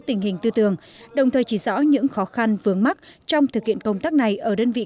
tình hình tư tưởng đồng thời chỉ rõ những khó khăn vướng mắt trong thực hiện công tác này ở đơn vị